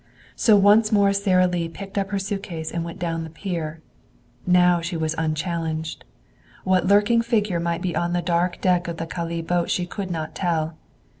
So once more Sara Lee picked up her suitcase and went down the pier. Now she was unchallenged. What lurking figure might be on the dark deck of the Calais boat she could not tell.